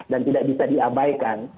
dan tidak bisa diabaikan